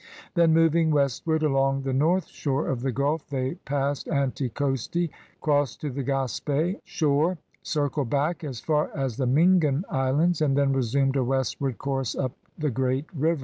Then moving westward along the north shore of the Gulf, they passed Anticosti, crossed to the Gasp6 shore, circled back as far as the Mingan islands, and then resumed a westward course up the great river.